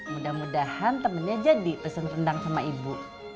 mudah mudahan temennya jadi pesen rendang sama ibu